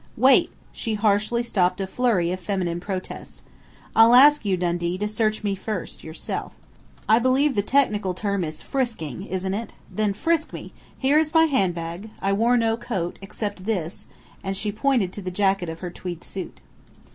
Wait!" she harshly stopped a flurry of feminine protests. "I'll ask you, Dundee, to search me first yourself. I believe the technical term is 'frisking,' isn't it?... Then 'frisk' me.... Here is my handbag. I wore no coat, except this " and she pointed to the jacket of her tweed suit.